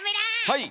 はい。